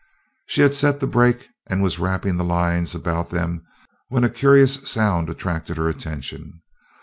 She had set the brake and was wrapping the lines about them when a curious sound attracted her attention.